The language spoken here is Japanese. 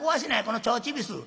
この腸チビス！」。